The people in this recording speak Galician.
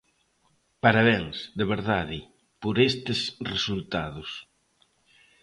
Parabéns, de verdade, por estes resultados.